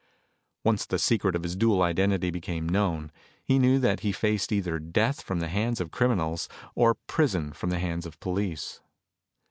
Once the secret of his dual identity became known, he knew that he faced either death from the hands of criminals or prison from the hands of police.